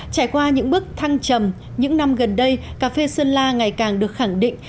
trải qua những bước thăng trầm những năm gần đây cà phê sơn la ngày càng được khẳng định